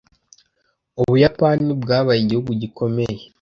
Ubuyapani bwabaye igihugu gikomeye.